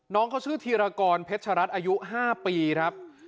น้องเขาชื่อธีรกรเพชรัตน์อายุ๕ปีครับ